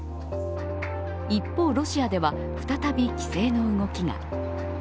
一方、ロシアでは再び規制の動きが。